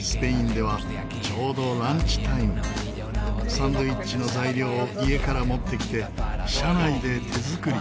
サンドイッチの材料を家から持ってきて車内で手作り。